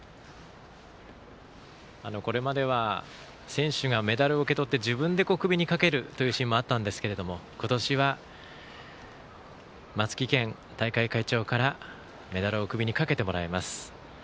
これまでは、選手がメダルを受け取って自分で首にかけるというシーンもあったんですけど今年は松木健大会会長からメダルを首にかけてもらいます。